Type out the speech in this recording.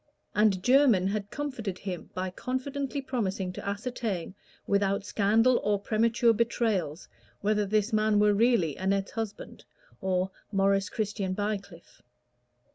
And Jermyn had comforted him by confidently promising to ascertain, without scandal or premature betrayals, whether this man were really Annette's husband, or Maurice Christian Bycliffe.